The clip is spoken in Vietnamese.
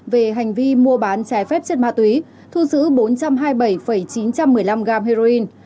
về hành vi mua bán trái phép chất ma túy thu giữ bốn trăm hai mươi bảy chín trăm một mươi năm gram heroin